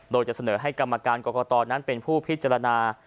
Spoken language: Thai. โดยจะเสนอให้กรรมการกรกตนั้นเป็นผู้พิจารณา